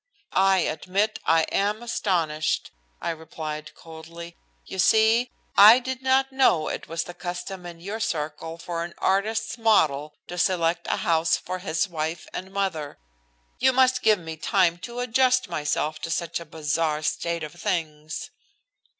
"I admit I am astonished," I replied coldly. "You see, I did not know it was the custom in your circle for an artist's model to select a house for his wife and mother. You must give me time to adjust myself to such a bizarre state of things."